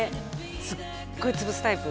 すっごい潰すタイプ？